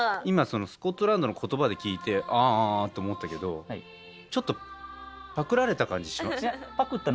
今そのスコットランドの言葉で聴いて「あ」って思ったけどちょっとパクられた感じします。